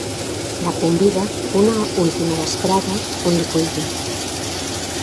La convida una última vesprada on li cuina.